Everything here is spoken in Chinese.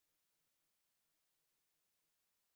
同级别的也携带这种手杖。